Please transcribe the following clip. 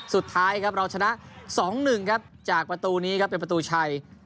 สุดท้ายครับเราชนะ๒๑ครับจากประตูนี้ครับเป็นประตูชัย